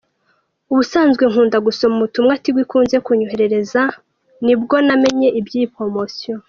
Ubusanzwe nkunda gusoma ubutumwa Tigo ikunze kunyoherereza, nibwo namenye iby’iyi poromosiyo.